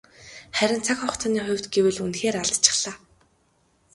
Харин цаг хугацааны хувьд гэвэл үнэхээр алдчихлаа.